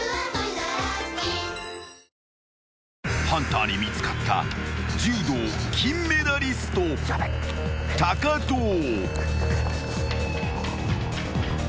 ［ハンターに見つかった柔道金メダリスト藤］